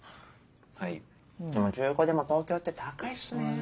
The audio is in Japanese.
はいでも中古でも東京って高いっすね。